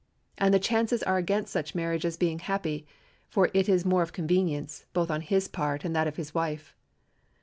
And the chances are against such marriages being happy, for it is more one of convenience, both on his part and that of his wife.